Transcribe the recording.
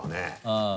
うん。